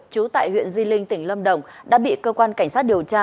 trú tại huyện di linh tỉnh lâm đồng đã bị cơ quan cảnh sát điều tra